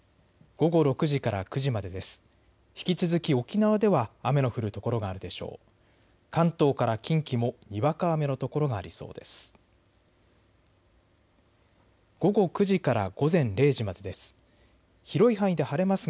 午後９時から午前０時までです。